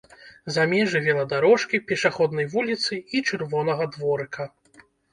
За межы веладарожкі, пешаходнай вуліцы і чырвонага дворыка.